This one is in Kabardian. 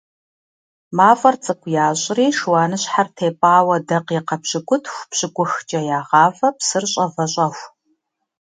МафIэр цIыкIу ящIри шыуаныщхьэр тепIауэ дакъикъэ пщыкIутху-пщыкıухкIэ ягъавэ псыр щIэвэщIэху.